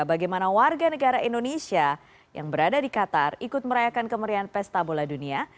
bagaimana warga negara indonesia yang berada di qatar ikut merayakan kemerian pesta bola dunia